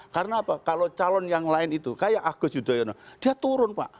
karena apa kalau calon yang lain itu kayak agus yudhoyono dia turun pak